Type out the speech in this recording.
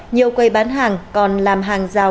nhiều quầy bán hàng còn làm hàng rào